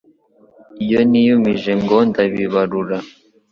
Iyo niyumije ngo ndabibarura